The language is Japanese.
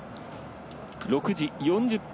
６時４０分